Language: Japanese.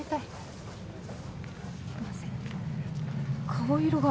顔色が。